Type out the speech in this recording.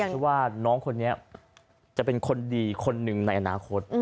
เชื่อว่าน้องคนนี้จะเป็นคนดีคนหนึ่งในอนาคต